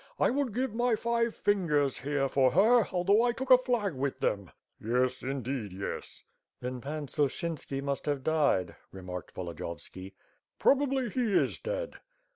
"I would give my five fingers here for her, although I took a flag with them." "Yes, indeed, yes!" "Then Pan Suflfchynski must have died," remarked Vo lodiyovski. "Probably he is dead."